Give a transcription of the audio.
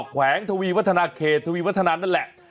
แวงทวีวัฒนาเขตทวีวัฒนานั่นแหละ